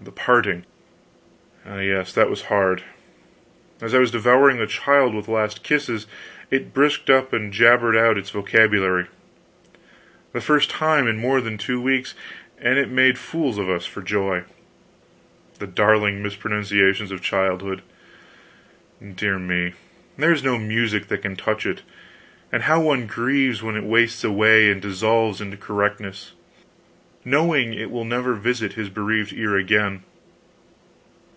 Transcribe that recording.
The parting ah, yes, that was hard. As I was devouring the child with last kisses, it brisked up and jabbered out its vocabulary! the first time in more than two weeks, and it made fools of us for joy. The darling mispronunciations of childhood! dear me, there's no music that can touch it; and how one grieves when it wastes away and dissolves into correctness, knowing it will never visit his bereaved ear again.